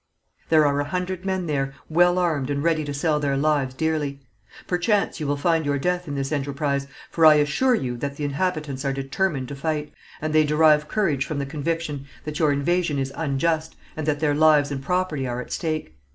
There are a hundred men there well armed and ready to sell their lives dearly. Perchance you will find your death in this enterprise, for I assure you that the inhabitants are determined to fight, and they derive courage from the conviction that your invasion is unjust, and that their lives and property are at stake.